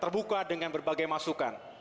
terbuka dengan berbagai masukan